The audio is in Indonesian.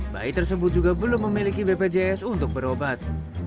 bayi tersebut juga belum memiliki bpjs untuk berobat